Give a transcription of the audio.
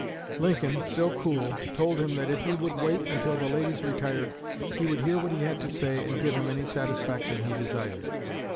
Lincoln, still cool, told him that if he would wait until the ladies retired he would hear what he had to say and give him any satisfaction he desired.